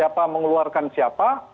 siapa mengeluarkan siapa